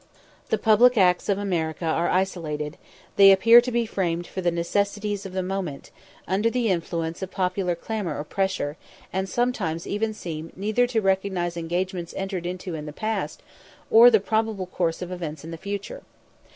The public acts of America are isolated; they appear to be framed for the necessities of the moment, under the influence of popular clamour or pressure; and sometimes seem neither to recognise engagements entered into in the past, or the probable course of events in the future.